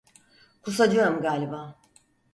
Kusacağım galiba.